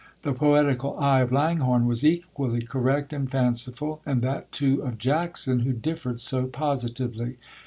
The poetical eye of Langhorne was equally correct and fanciful; and that too of Jackson, who differed so positively.